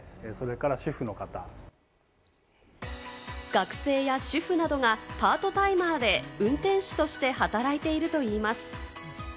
学生や主婦などがパートタイマーで運転手として働いているといいます。